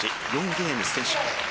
４ゲーム先取。